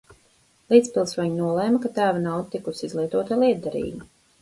Līdzpilsoņi nolēma, ka tēva nauda tikusi izlietota lietderīgi.